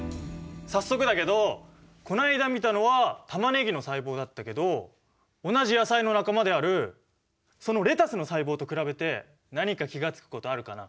早速だけどこないだ見たのはタマネギの細胞だったけど同じ野菜の仲間であるそのレタスの細胞と比べて何か気が付くことあるかな？